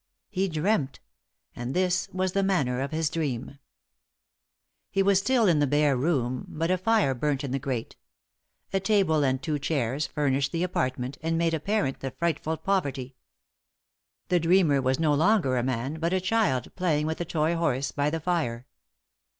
He dreamt and this was the manner of his dream: He was still in the bare room, but a fire burnt in the grate. A table and two chairs furnished the apartment, and made apparent the frightful poverty. The dreamer was no longer a man, but a child playing with a toy horse by the fire.